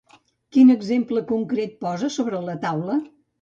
Quin exemple concret posa sobre la taula?